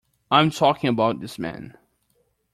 I'm talking about this man.